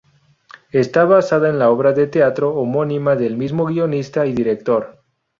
Está basada en la obra de teatro homónima del mismo guionista y director.